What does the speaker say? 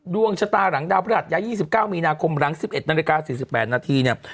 ดวงชะตาหลังดาวพระหัสย้าย๒๙มีนาคมหลัง๑๑นาฬิกา๔๘นาทีเนี่ย